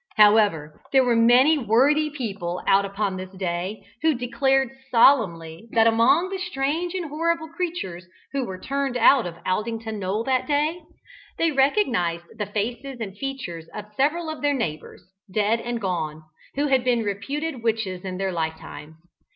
However, there were many worthy people out upon this day who declared solemnly that among the strange and horrible creatures who were turned out of Aldington Knoll that day, they recognised the faces and features of several of their neighbours, dead and gone, who had been reputed witches in their life times.